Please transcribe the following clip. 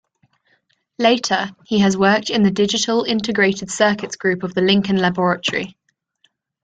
Later, he has worked in the Digital Integrated Circuits Group of the Lincoln Laboratory.